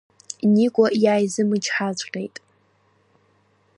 Никәа иааизымчҳаҵәҟьеит.